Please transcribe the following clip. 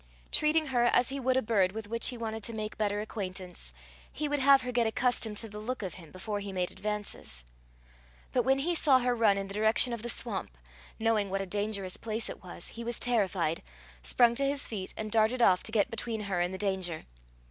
Treating her as he would a bird with which he wanted to make better acquaintance, he would have her get accustomed to the look of him before he made advances. But when he saw her run in the direction of the swamp, knowing what a dangerous place it was, he was terrified, sprung to his feet, and darted off to get between her and the danger.